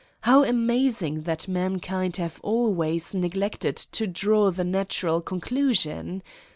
How amazing that mankind have always neglected to draw the natural conclusion